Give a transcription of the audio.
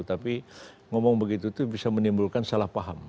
tapi ngomong begitu itu bisa menimbulkan salah paham